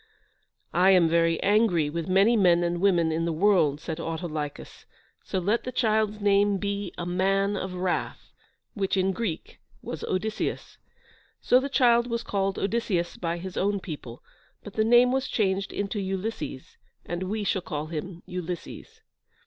"I am very angry with many men and women in the world," said Autolycus, "so let the child's name be A Man of Wrath," which, in Greek, was Odysseus. So the child was called Odysseus by his own people, but the name was changed into Ulysses, and we shall call him Ulysses.